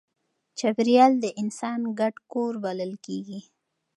چاپېریال د انسان ګډ کور بلل کېږي.